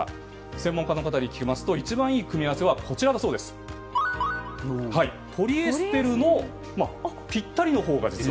専門家の方に聞きますと一番いい組み合わせはポリエステルのぴったりのほうが実は。